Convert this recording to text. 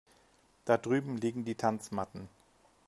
Da drüben liegen die Tanzmatten.